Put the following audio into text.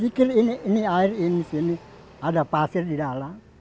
ya kan dikir ini air ini sini ada pasir di dalam